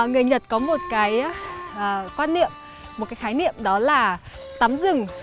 người nhật có một cái quan niệm một cái khái niệm đó là tắm rừng